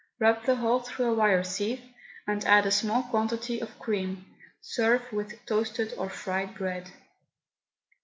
Rub the whole through a wire sieve, and add a small quantity of cream. Serve with toasted or fried bread.